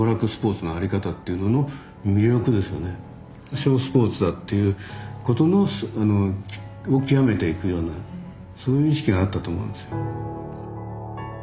ショースポーツだっていうことのを極めていくようなそういう意識があったと思うんですよ。